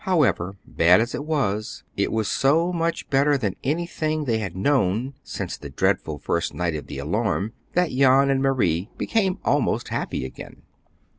However, bad as it was, it was so much better than anything they had known since the dreadful first night of the alarm that Jan and Marie became almost happy again.